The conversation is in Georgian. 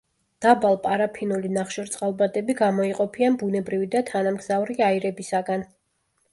დაბალ პარაფინული ნახშირწყალბადები გამოიყოფიან ბუნებრივი და თანამგზავრი აირებისაგან.